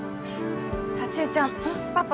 幸江ちゃんパパ